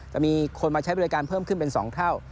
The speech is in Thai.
จะมีคนมาใช้บริการเพิ่มขึ้นเป็น๒เท่า